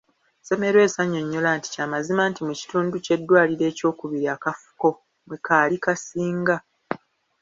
Semmelwesi annyonnyola nti, kya mazima nti mu kitundu ky’eddwaliro ekyokubiri akafuko mwe kaali kasinga.